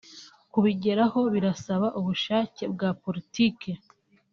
Kubigeraho birasaba ubushake bwa politike